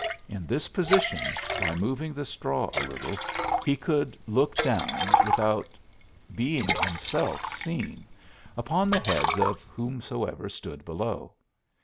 In this position, by moving the straw a little, he could look down, without being himself seen, upon the heads of whomsoever stood below.